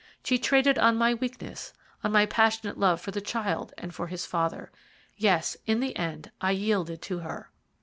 She traded on my weakness; on my passionate love for the child and for his father. Yes, in the end I yielded to her.